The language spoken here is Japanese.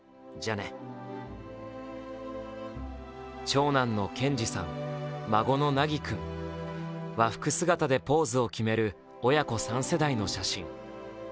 長男の建志さん、孫の凪君、和服姿でポーズを決める親子三世代の写真。